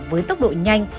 với tốc độ nhanh